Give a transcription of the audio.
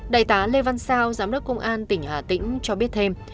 đại tá lê văn sao giám đốc công an tỉnh hà tĩnh cho biết thêm